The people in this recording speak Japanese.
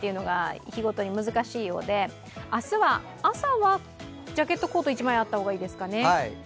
日ごとに難しいようで、明日は朝、ジャケットコート１枚あった方がいいですかね